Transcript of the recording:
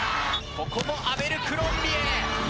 ここもアベルクロンビエ。